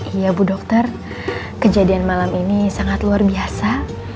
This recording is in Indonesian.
iya bu dokter kejadian malam ini sangat luar biasa